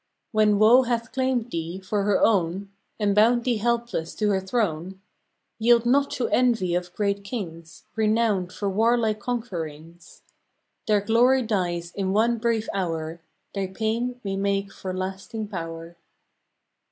When woe hath claimed thee for her own And bound thee helpless to her throne, Yield not to envy of great kings Renowned for warlike conquerings Their glory dies in one brief hour Thy pain may make for lasting power.